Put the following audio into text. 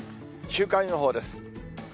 週間予報です。